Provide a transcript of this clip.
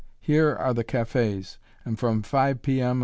Here are the cafés, and from 5 P.M.